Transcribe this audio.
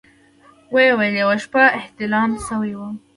ويې ويل يوه شپه احتلام سوى وم.